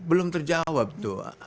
belum terjawab tuh